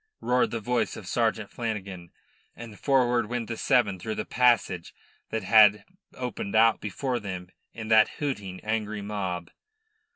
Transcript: roared the voice of Sergeant Flanagan, and forward went the seven through the passage that had opened out before them in that hooting, angry mob.